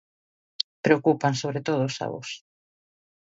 Preocupan sobre todo os avós.